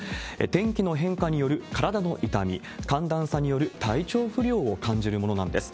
天気の変化による体の痛み、寒暖差による体調不良を感じるものなんです。